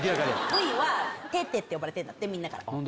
Ｖはテテって呼ばれてんだってみんなから。